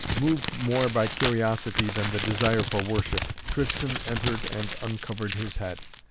Moved more by curiosity than the desire for worship, Tristan entered and uncovered his head.